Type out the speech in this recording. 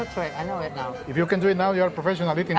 jika kamu bisa melakukannya sekarang kamu profesional makan takos